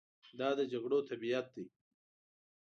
دا د جګړو طبیعت دی.